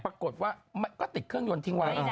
ปรากฏว่าก็ติดเครื่องยนต์ทิ้งไว้